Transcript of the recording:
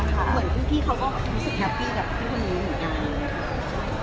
เหมือนพี่เขาก็รู้สึกแฮปปี้กับพี่หรือเปล่า